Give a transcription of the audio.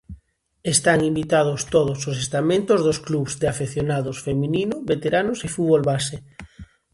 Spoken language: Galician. Están invitados todos os estamentos dos clubs de afeccionados, feminino, veteranos e fútbol base.